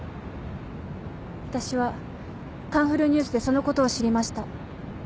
私は『カンフルＮＥＷＳ』でそのことを知りました。